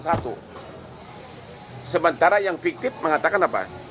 sementara yang fiktif mengatakan apa